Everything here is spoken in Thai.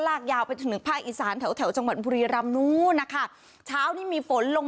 ลากยาวไปถึงภาคอีสานแถวแถวจังหวัดบุรีรำนู้นนะคะเช้านี้มีฝนลง